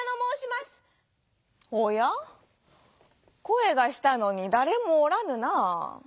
こえがしたのにだれもおらぬなあ」。